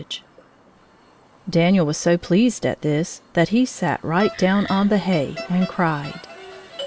Page 129.] Daniel was so pleased at this that he sat right down on the hay and cried.